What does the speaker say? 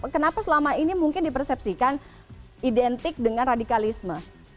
kenapa selama ini mungkin dipersepsikan identik dengan radikalisme